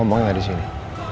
ngomongin aja di sini